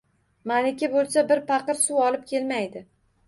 Maniki bo‘lsa, bir paqir suv olib kelmaydi.